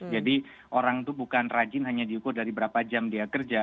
jadi orang itu bukan rajin hanya diukur dari berapa jam dia kerja